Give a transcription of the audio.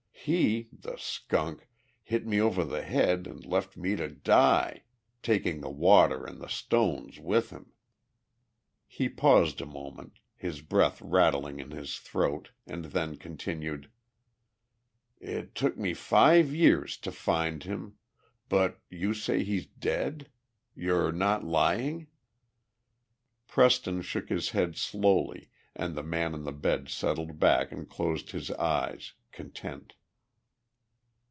He, the skunk, hit me over the head and left me to die taking the water and the stones with him." He paused a moment, his breath rattling in his throat, and then continued: "It took me five years to find him but you say he's dead? You're not lying?" Preston shook his head slowly and the man on the bed settled back and closed his eyes, content.